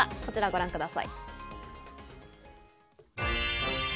こちらをご覧ください。